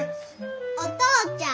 お父ちゃん。